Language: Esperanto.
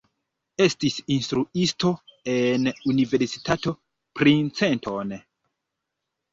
Estis instruisto en Universitato Princeton.